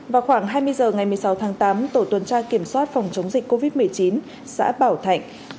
vào khoảng hai mươi h ngày một mươi sáu tháng tám tổ tuần tra kiểm soát phòng chống dịch covid một mươi chín xã bảo thạnh